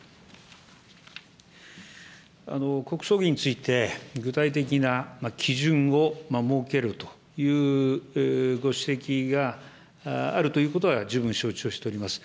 国葬儀について、具体的な基準を設けるというご指摘があるということは、十分承知をしております。